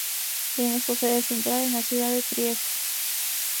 Tiene su sede central en la ciudad de Trieste.